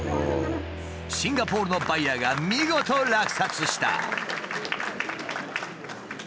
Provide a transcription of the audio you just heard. シンガポールのバイヤーが見事落札した。